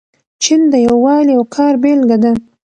چین د یووالي او کار بیلګه ده.